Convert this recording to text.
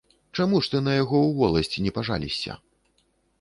Чаму ж ты на яго ў воласць не пажалішся?